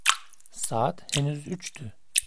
Saat henüz üçtü.